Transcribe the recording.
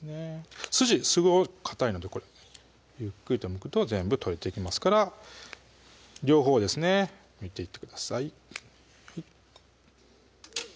すごくかたいのでゆっくりとむくと全部取れていきますから両方ですねむいていってください